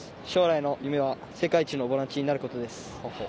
将来の夢は世界一のボランチになることです。